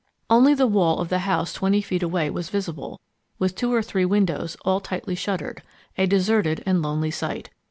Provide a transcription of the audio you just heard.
Only the wall of the house twenty feet away was visible, with two or three windows, all tightly shuttered a deserted and lonely sight.